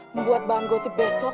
membuat bahan gosip besok